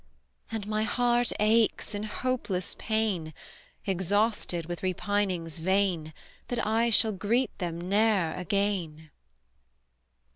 And my heart aches, in hopeless pain, Exhausted with repinings vain, That I shall greet them ne'er again!"